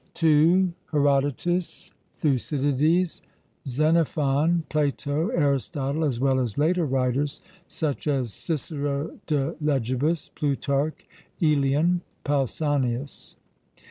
(2) Herodotus, Thucydides, Xenophon, Plato, Aristotle, as well as later writers, such as Cicero de Legibus, Plutarch, Aelian, Pausanias.